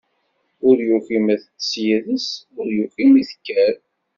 Ur yuki mi teṭṭeṣ yid-s, ur yuki mi tekker.